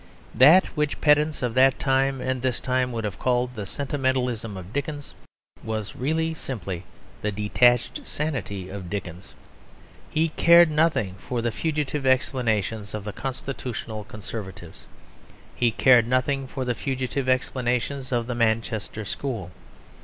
That which pedants of that time and this time would have called the sentimentalism of Dickens was really simply the detached sanity of Dickens. He cared nothing for the fugitive explanations of the Constitutional Conservatives; he cared nothing for the fugitive explanations of the Manchester School.